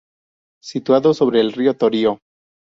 Situado sobre el Río Torío.